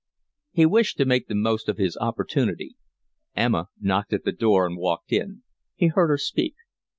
He wished to make the most of his opportunity. Emma knocked at the door and walked in. He heard her speak.